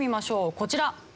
こちら。